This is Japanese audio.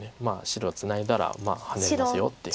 白ツナいだらハネますよって。